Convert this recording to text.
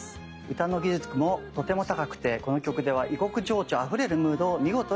歌の技術もとても高くてこの曲では異国情緒あふれるムードを見事に表現していました。